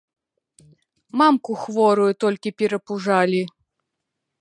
Мамку хворую толькі перапужалі.